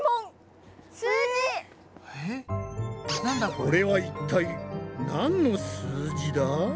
これは一体何の数字だ？